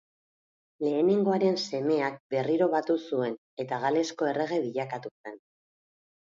Lehenengoaren semeak berriro batu zuen eta Galesko errege bilakatu zen.